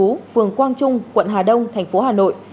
chú phường quang trung quận hà đông thành phố hà nội